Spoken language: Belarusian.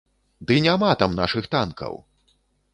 Ды няма там нашых танкаў!